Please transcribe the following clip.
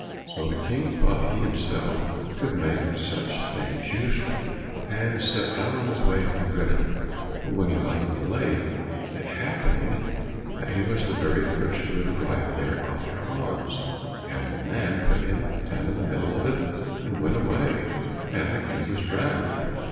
So the King thought he himself could make such things useful, and set out on his way to the Griffin; but when he got to the lake, it happened that he was the very first who arrived there after Hans, and the man put him down in the middle of it and went away, and the King was drowned.